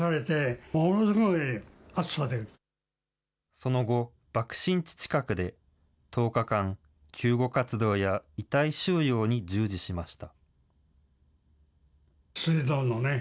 その後、爆心地近くで、１０日間、救護活動や遺体収容に従事しました。